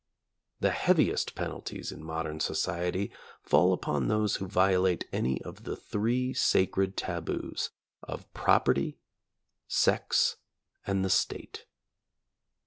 The heaviest penalties in modern so ciety fall upon those who violate any of the three sacred taboos of property, sex and the State.